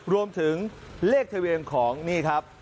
รวมถึงเลขทะเบียนของนี่ครับ